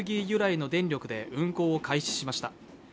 由来の電力で運行を始めました。